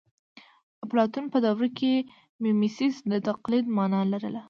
اپلاتون په دوره کې میمیسیس د تقلید مانا لرله